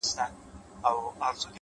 حتمآ به ټول ورباندي وسوځيږي.